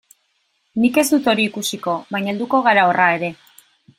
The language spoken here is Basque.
Nik ez dut hori ikusiko, baina helduko gara horra ere.